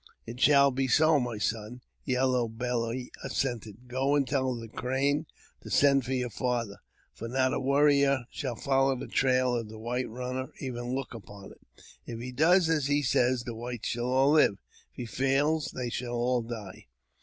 " It shall be so, my son," Yellow Belly assented ; go and' tell the Crane to send for your father, for not a warrior sh follow the trail of the white runner, or even look upon it. he does as he says, the w^hites shall all Hve ; if he fails, they shall all die.